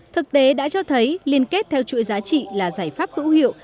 thực tế đã cho thấy liên kết theo chuỗi giá trị là giải pháp hữu hiệu